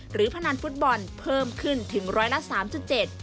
หรือพนันฟุตบอลเพิ่มขึ้นถึง๑๓๗ล้านบาท